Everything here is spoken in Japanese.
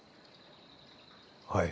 はい。